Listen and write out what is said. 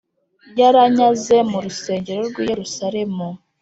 Yaranyaze mu rusengero rw i yerusalemu